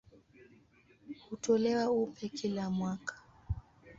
Hutolewa upya kila mwaka.